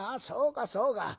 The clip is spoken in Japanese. そうかそうか。